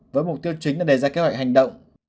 với mục tiêu chính là đề ra kế hoạch hành động